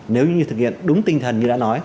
nếu như thực hiện đúng tinh thần như đã nói